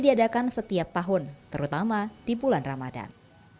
diadakan setiap tahun terutama di bulan ramadan